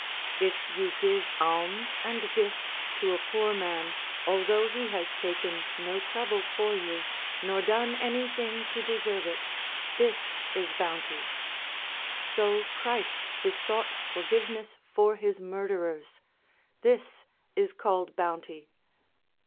If you give alms and gifts to a poor man although he has taken no trouble for you, nor done anything to deserve it, this is bounty. So Christ besought forgiveness for his murderers, this is called bounty.